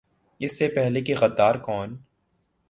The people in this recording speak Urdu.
اس سے پہلے کہ "غدار کون؟